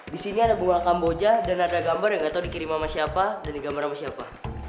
di sini ada buah kamboja dan ada gambar yang nggak tahu dikirim sama siapa dan digambar sama siapa